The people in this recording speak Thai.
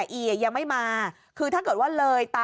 เอียยังไม่มาคือถ้าเกิดว่าเลยตา